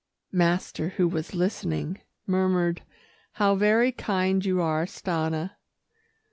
Master, who was listening, murmured, "How very kind you are, Stanna."